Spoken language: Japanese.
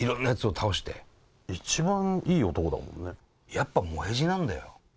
やっぱもへじなんだよ。